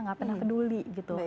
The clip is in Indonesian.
gak pernah peduli gitu